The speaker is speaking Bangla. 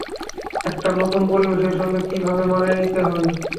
একটা নতুন পরিবেশের সঙ্গে কীভাবে মানিয়ে নিতে হয়।